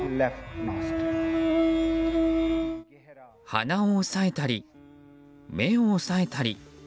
鼻を押さえたり目を押さえたり。